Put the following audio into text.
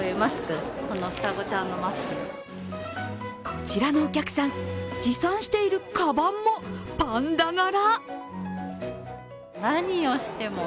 こちらのお客さん、持参しているかばんもパンダ柄。